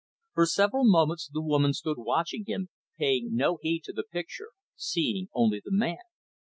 For several moments the woman stood watching him, paying no heed to the picture, seeing only the man.